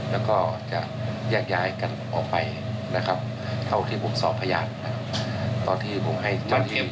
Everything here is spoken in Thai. แล้วก็จะแยกย้ายกันออกไปนะครับเท่าที่ผมสอบพยานตอนที่ผมให้เจ้าหน้าที่